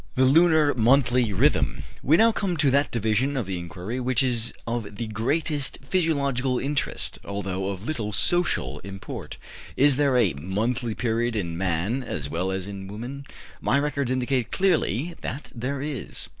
THE LUNAR MONTHLY RHYTHM. We now come to that division of the inquiry which is of the greatest physiological interest, although of little social import. Is there a monthly period in man as well as in woman? My records indicate clearly that there is.